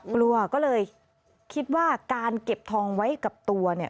กลัวก็เลยคิดว่าการเก็บทองไว้กับตัวเนี่ย